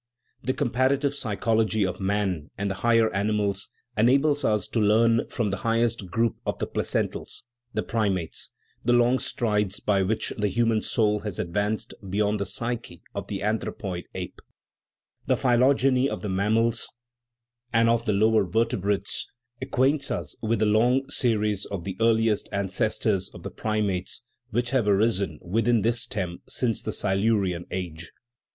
The comparative psychology of man and the higher animals enables us to learn from the highest group of the placentals, the primates, the long strides by which the human soul has advanced beyond the psyche of the anthropoid ape. The phylogeny of the mammals and of 149 THE RIDDLE OF THE UNIVERSE the lower vertebrates acquaints us with the long series of the earlier ancestors of the primates which have arisen within this stem since the Silurian age.